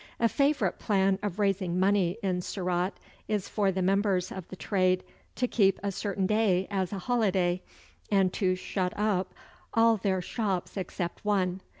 A favorite plan of raising money in Surat is for the members of the trade to keep a certain day as a holiday, and to shut up all their shops except one.